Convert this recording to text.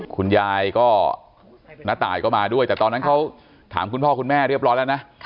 คุณยายก็น้าตายก็มาด้วยแต่ตอนนั้นเขาถามคุณพ่อคุณแม่เรียบร้อยแล้วนะ